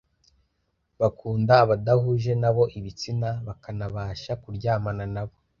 bakunda abadahuje na bo ibitsina bakanabasha kuryamana nabo